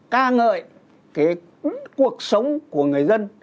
ca ngợi cái cuộc sống của người dân